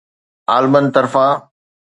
عالمن طرفان